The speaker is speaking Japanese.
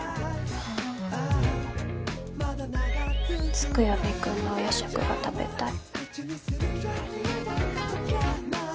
月読くんのお夜食が食べたい。